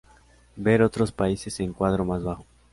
Ver otros países en cuadro más abajo.